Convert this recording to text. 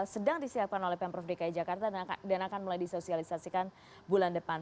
sedang disiapkan oleh pemprov dki jakarta dan akan mulai disosialisasikan bulan depan